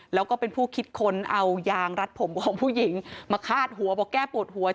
แล้วก็เป็นผู้คิดค้นเอายางรัดผมของผู้หญิงมาคาดหัวบอกแก้ปวดหัว